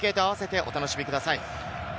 中継と合わせてお楽しみください。